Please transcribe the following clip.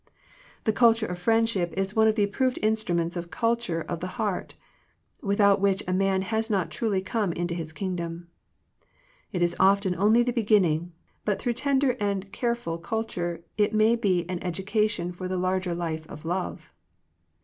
The culture of friendship is one of the approved instruments of culture of the heart, without which a man has not truly come into his kingdom. It is often only the beginning, but through tender and careful culture it may be an educa tion for the larger life of love.